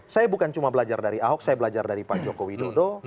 saya bukan cuma belajar dari ahok saya belajar dari pak joko widodo